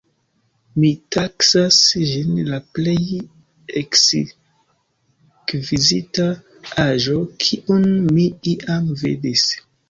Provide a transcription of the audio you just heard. Mi taksas ĝin la plej ekskvizita aĵo kiun mi iam vidis.